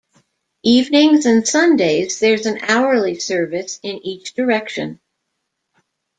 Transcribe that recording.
Evenings and Sundays there is an hourly service in each direction.